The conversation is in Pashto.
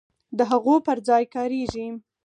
د هغو پر ځای کاریږي.